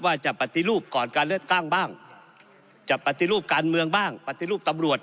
ปฏิรูปก่อนการเลือกตั้งบ้างจะปฏิรูปการเมืองบ้างปฏิรูปตำรวจ